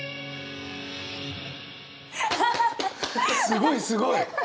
すごいすごい。